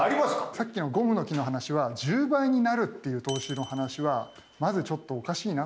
さっきのゴムの木の話は１０倍になるっていう投資の話はまずちょっとおかしいなって疑ってかかってほしかったですね。